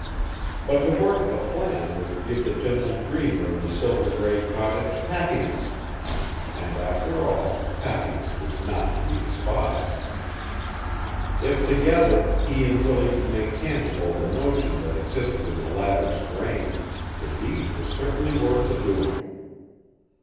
But to work at the plan would give the gentle dreamer in the silver gray cottage happiness, and after all happiness was not to be despised. If together he and Willie could make tangible the notion that existed in the latter's brain, the deed was certainly worth the doing.